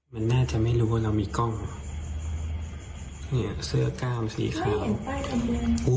มันน่าจะไม่รู้ว่าเรามีกล้องเสื้อกล้ามสีขาว